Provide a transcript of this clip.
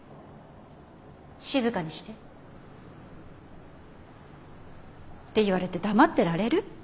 静かにして。って言われて黙ってられる？